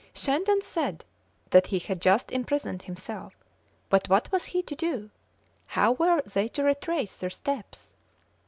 Shandon said that he had just imprisoned himself; but what was he to do? How were they to retrace their steps?